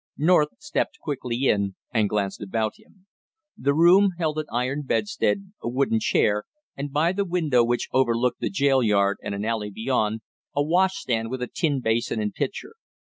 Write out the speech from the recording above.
North stepped quickly in and glanced about him. The room held an iron bedstead, a wooden chair and, by the window which overlooked the jail yard and an alley beyond, a wash stand with a tin basin and pitcher.